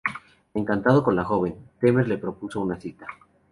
Encantado con la joven, Temer le propuso una cita.